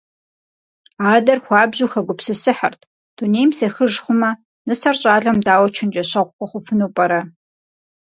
Адэр хуабжьу хэгупсысыхьырт: «Дунейм сехыж хъумэ, нысэр щӀалэм дауэ чэнджэщэгъу хуэхъуфыну пӀэрэ?».